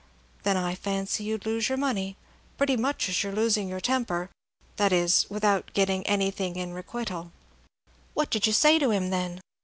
"Then I fancy you'd lose your money, pretty much as you are losing your temper, that is, without getting anything in requital." "What did you say to him, then?"